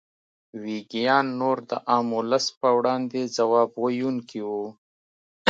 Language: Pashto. ویګیان نور د عام ولس په وړاندې ځواب ویونکي وو.